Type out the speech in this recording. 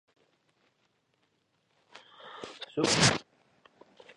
Supinya and the Thai Post were named as co-defendants.